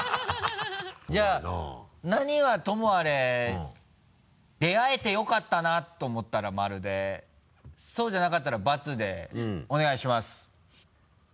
じゃあ何はともあれ出会えてよかったなと思ったら○でそうじゃなかったら×でお願いします。